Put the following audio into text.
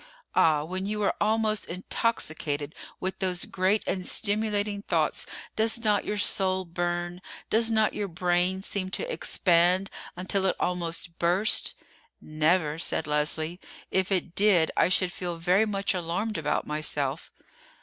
Ah! when you are almost intoxicated with those great and stimulating thoughts, does not your soul burn, does not you brain seem to expand until it almost bursts?" "Never," said Leslie: "if it did I should feel very much alarmed about myself."